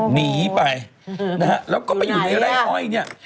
หนีไปนะฮะแล้วก็ไปอยู่ในไร่อ้อยเนี่ย